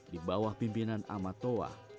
di bawah pimpinan amatowah